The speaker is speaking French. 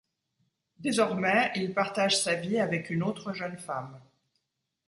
Désormais, il partage sa vie avec une autre jeune femme.